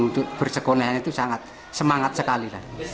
untuk bersekolah itu sangat semangat sekali